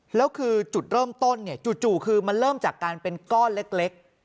แล้วคือจุดเริ่มต้นเนี่ยจู่คือมันเริ่มจากการเป็นก้อนเล็ก